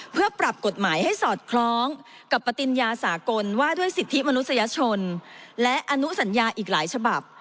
เพื่อปรับกฎหมายให้สอดคล้องกับปฏิญญาสากลว่าด้วยสิทธิมนุษยชนและอนุสัญญาอีกหลายฉบับ